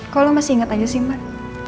kok lo masih inget aja sih man